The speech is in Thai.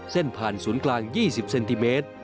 เส้นผ่านศูนย์กลาง๒๐เซนติเมตร